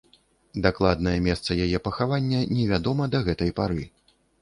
Дакладнае месца яе пахавання невядома да гэтай пары.